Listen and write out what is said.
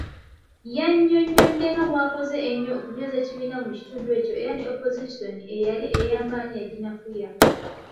Yannyonnyodde nga bw'akoze ennyo okunyweza ekibiina mu kitundu ekyo era ne Opozisoni eyali ey'amanyi yaginafuya.